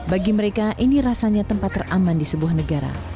bagi mereka ini rasanya tempat teraman di sebuah negara